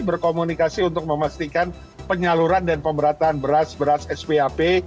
berkomunikasi untuk memastikan penyaluran dan pemberataan beras beras sphp